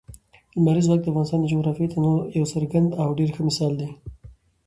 لمریز ځواک د افغانستان د جغرافیوي تنوع یو څرګند او ډېر ښه مثال دی.